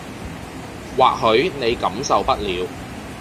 或許你感受不了